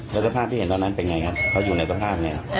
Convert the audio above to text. แล้วสภาพที่เห็นตอนนั้นเป็นไงครับเขาอยู่ในสภาพไง